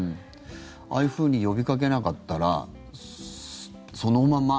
ああいうふうに呼びかけなかったら、そのまま。